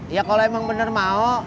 ya kalau emang bener mau